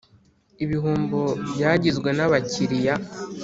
ibihombo byagizwe n abakiliya